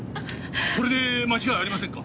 これで間違いありませんか？